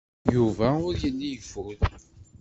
Yuba ur yelli yeffud.